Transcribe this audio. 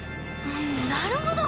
なるほど！